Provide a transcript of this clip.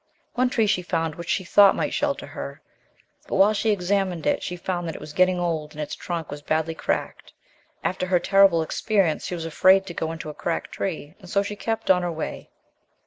One tree she found, which she thought might shelter her, but when she examined it she found that it was getting old and its trunk was badly cracked. After her terrible experience she was afraid to go into a cracked tree, and so she kept on her way.